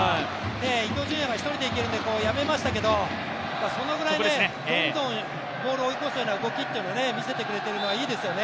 伊東純也が１人でいけるのでやめましたけど、そのぐらいどんどんボールを追い越すような動きを見せてくれているのはいいですよね。